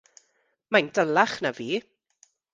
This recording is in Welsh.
Mae'n dalach na fi!